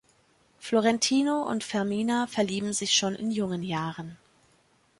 Florentino und Fermina verlieben sich schon in jungen Jahren.